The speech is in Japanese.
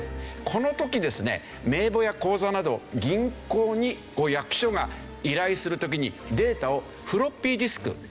この時ですね名簿や口座など銀行に役所が依頼する時にデータをフロッピーディスク